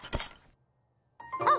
あっ。